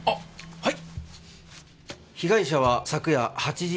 はい。